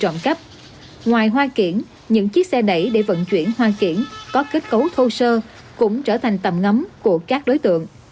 ngoài hoa kiển những chiếc xe đẩy để vận chuyển hoa kiển có kết cấu thô sơ cũng trở thành tầm ngắm của các đối tượng